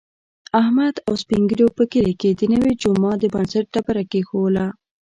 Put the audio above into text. احمد او سپین ږېرو په کلي کې د نوي جوما د بنسټ ډبره کېښودله.